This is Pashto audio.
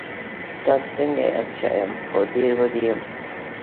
تاسې څنګه یاست؟ ښه یم، خو ډېر وږی یم.